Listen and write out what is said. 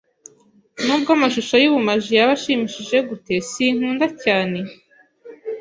Nubwo amashusho yubumaji yaba ashimishije gute, sinkunda cyane.